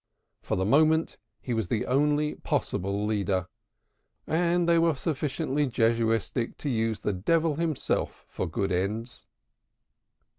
For the moment he was the only possible leader, and they were sufficiently Jesuitic to use the Devil himself for good ends.